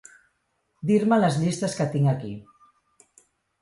Dir-me les llistes que tinc aquí.